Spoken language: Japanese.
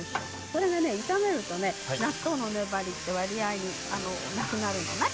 それが炒めるとね納豆の粘りって割合になくなるじゃない。